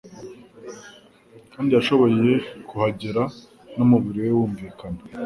kandi yashoboye kuhagera numubiri we wunvikana